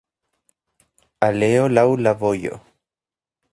Aleo laŭ la vojo.